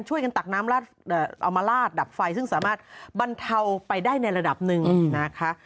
ตักน้ำเอามาลาดดับไฟซึ่งสามารถบรรเทาไปได้ในระดับหนึ่งนะคะ